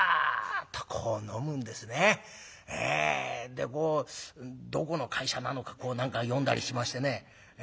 でどこの会社なのか何か読んだりしましてね。